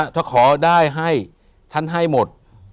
ถ้าขอได้ให้ฉันให้หมด